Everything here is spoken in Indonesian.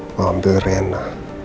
aku ambil rena